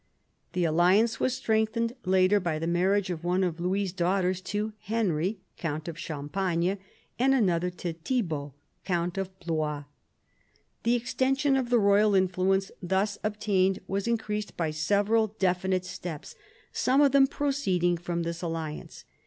The alliance was strengthened later by the marriage of one of Louis's daughters to Henry, count of Champagne, and of another to Thibault, count of Blois. The extension of the royal influence thus obtained was increased by several definite steps, some of them proceeding from this alliance.